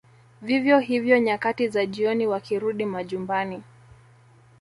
Vivyo hivyo nyakati za jioni wakirudi majumbani